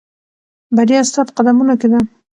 بریا ستا په قدمونو کې ده.